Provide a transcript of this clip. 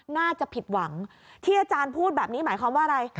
น่าจะผิดหวังที่อาจารย์พูดแบบนี้หมายความว่าอะไร